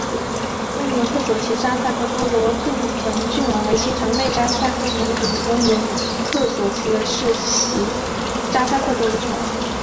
翁牛特左旗扎萨克多罗杜棱郡王为清朝内扎萨克蒙古翁牛特左旗的世袭扎萨克多罗郡王。